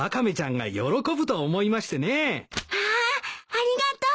ありがとう！